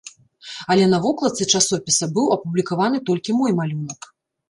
Але на вокладцы часопіса быў апублікаваны толькі мой малюнак.